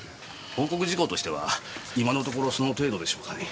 報告事項としては今のところその程度でしょうかね。